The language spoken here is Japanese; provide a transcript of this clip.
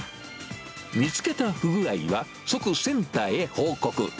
見つけた不具合は即センターへ報告。